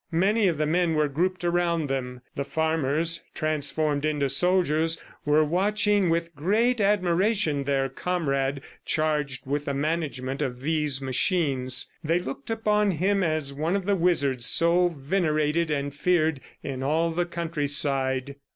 Many of the men were grouped around them. The farmers, transformed into soldiers, were watching with great admiration their comrade charged with the management of these machines. They looked upon him as one of the wizards so venerated and feared in all the countryside.